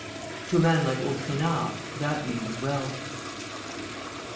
To a man like old Trainard that means wealth.